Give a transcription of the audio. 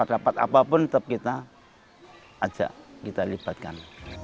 dapat apapun tetap kita ajak kita libatkan